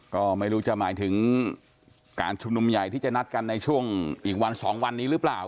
ก็ไม่รู้จะหมายถึงการชุมนุมใหญ่ที่จะนัดกันในช่วงอีกวันสองวันนี้หรือเปล่า